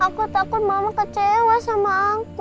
aku takut mama kecewa sama aku